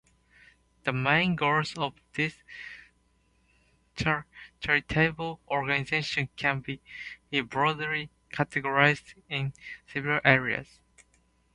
The main goals of this charitable organization can be broadly categorized into several areas.